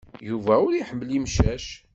Yuba ur iḥemmel imcac.